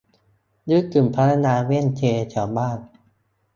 นึกถึงพนักงานเวเซ่นแถวบ้าน